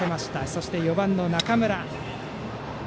そして４番の中村。